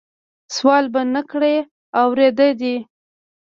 سوال به نه کړې اورېده دي